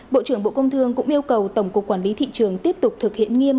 bộ trưởng bộ công thương cũng yêu cầu tổng cục quản lý thị trường tiếp tục thực hiện nghiêm